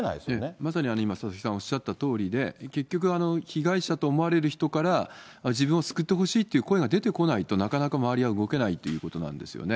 まさに今、佐々木さんおっしゃったとおりで、結局、被害者と思われる人から自分を救ってほしいという声が出てこないと、なかなか周りは動けないということなんですよね。